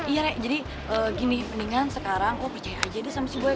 iya re jadi gini mendingan sekarang lo percaya aja deh sama si boy